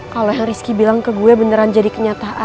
kalau yang rizky bilang ke gue beneran jadi kenyataan